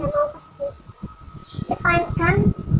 aku mau pergi udah padang udah sama tani